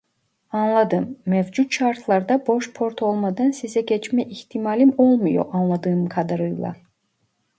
Anladım, mevcut şartlarda boş port olmadan size geçme ihtimalim olmuyor anladığım kadarıyla